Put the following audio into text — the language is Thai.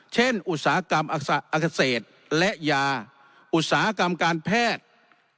อุตสาหกรรมอักษ์และยาอุตสาหกรรมการแพทย์